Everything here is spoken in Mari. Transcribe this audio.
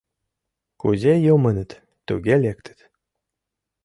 Кузе йомыныт — туге лектыт...